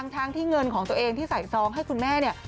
ทั้งที่เงินของตัวเองที่ใส่ซองให้คุณแม่เนี่ย